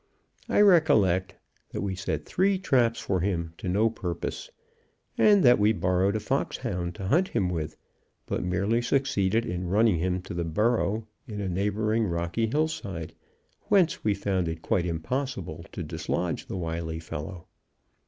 I recollect that we set three traps for him to no purpose, and that we borrowed a fox hound to hunt him with, but merely succeeded in running him to the burrow in a neighboring rocky hill side, whence we found it quite impossible to dislodge the wily fellow.